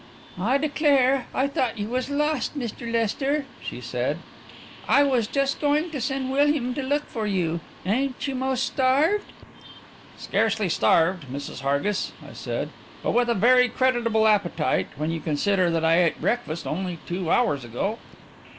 "I declare, I thought you was lost, Mr. Lester," she said. "I was just going to send William to look for you. Ain't you 'most starved?" "Scarcely starved, Mrs. Hargis," I said, "but with a very creditable appetite, when you consider that I ate breakfast only two hours ago."